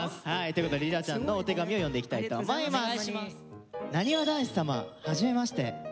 ということでりらちゃんのお手紙を読んでいきたいと思います。